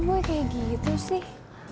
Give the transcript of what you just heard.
kok boleh kayak gitu sih